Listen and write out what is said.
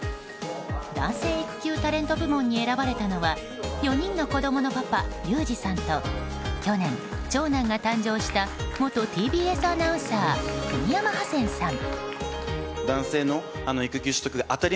男性育休タレント部門に選ばれたのは４人の子供のパパ、ユージさんと去年、長男が誕生した元ＴＢＳアナウンサー国山ハセンさん。